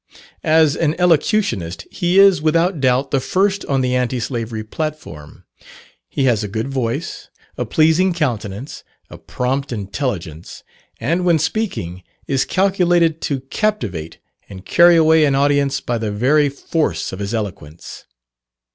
As an elocutionist, he is, without doubt, the first on the anti slavery platform. He has a good voice, a pleasing countenance, a prompt intelligence, and when speaking, is calculated to captivate and carry away an audience by the very force of his eloquence.